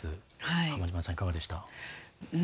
浜島さん、いかがでした？